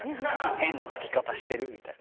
変なつき方してるみたいな。